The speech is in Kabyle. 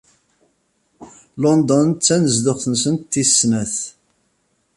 London d tanezduɣt-nsent tis snat.